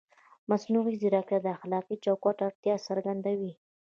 مصنوعي ځیرکتیا د اخلاقي چوکاټ اړتیا څرګندوي.